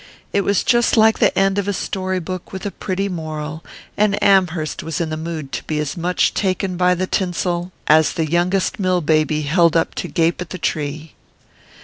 It was just like the end of a story book with a pretty moral, and Amherst was in the mood to be as much taken by the tinsel as the youngest mill baby held up to gape at the tree.